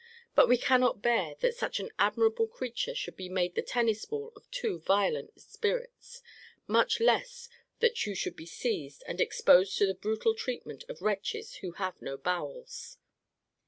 But we cannot bear that such an admirable creature should be made the tennis ball of two violent spirits much less that you should be seized, and exposed to the brutal treatment of wretches who have no bowels.